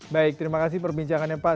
baik terima kasih perbincangannya pak